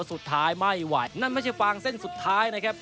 สุดท้ายไม่ไหวนั่นไม่ใช่ฟางเส้นสุดท้ายนะครับ